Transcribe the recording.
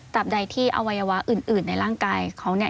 ใดที่อวัยวะอื่นในร่างกายเขาเนี่ย